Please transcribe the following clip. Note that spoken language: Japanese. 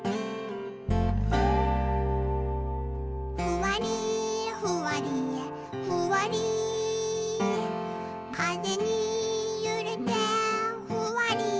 「ふわりふわりふわりかぜにゆれてふわり」